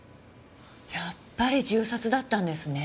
やっぱり銃殺だったんですね。